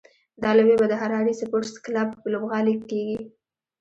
دا لوبې به د هراري سپورټس کلب په لوبغالي کې کېږي.